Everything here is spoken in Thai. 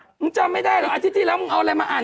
มึงจำไม่ได้หรอกอาทิตย์ที่แล้วมึงเอาอะไรมาอ่าน